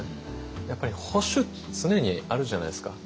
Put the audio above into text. やっぱり保守って常にあるじゃないですか。